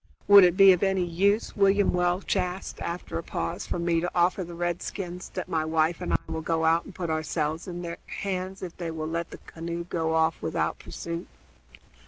"Would it be of any use," William Welch asked, after a pause, "for me to offer the redskins that my wife and I will go out and put ourselves in their hands if they will let the canoe go off without pursuit?"